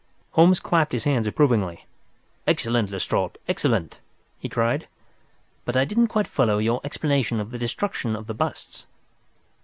Holmes clapped his hands approvingly. "Excellent, Lestrade, excellent!" he cried. "But I didn't quite follow your explanation of the destruction of the busts."